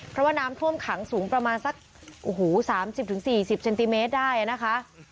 เพราะว่าน้ำท่วมขังสูงประมาณสักโอ้โหสามสิบถึงสี่สิบเจนติเมตรได้นะคะ